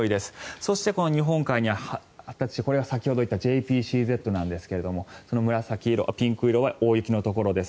そして、日本海に発達したこれが先ほど言ったＪＰＣＺなんですがピンク色は大雪のところです。